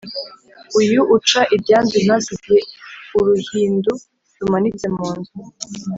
uyu uca ibyanzu ntasige uruhindu rumanitse mu nzu